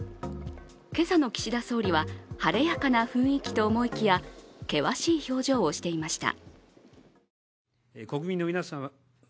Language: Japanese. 今朝の岸田総理は晴れやかな雰囲気と思いきや険しい表情をしていました。